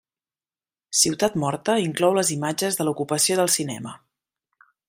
Ciutat Morta inclou les imatges de l'ocupació del cinema.